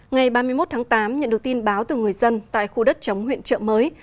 ngày ba mươi một tháng tám nhận được tin báo từ người dân tại khu đất chống huyện trợ mới